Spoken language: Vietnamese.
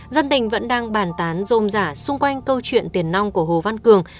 dân tình vẫn đang bàn tán rôm giả xung quanh câu chuyện tiền nong của hồ văn cường